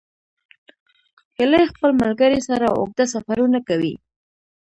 هیلۍ خپل ملګري سره اوږده سفرونه کوي